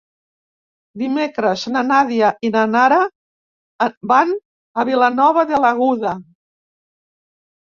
Dimecres na Nàdia i na Nara van a Vilanova de l'Aguda.